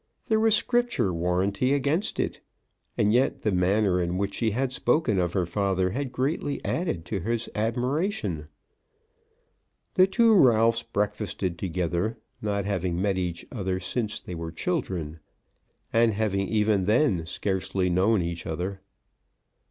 There was Scripture warranty against it. And yet the manner in which she had spoken of her father had greatly added to his admiration. The two Ralphs breakfasted together, not having met each other since they were children, and having even then scarcely known each other.